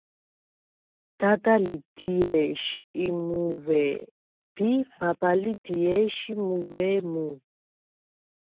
დადა ლი დიე̄შ ი მუუ̂ე̄ დი, ბაბა ლი დიე̄შ ი მუუ̂ე̄ მუ.